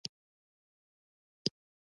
خلکو په طبیعي مراتبو باور درلود.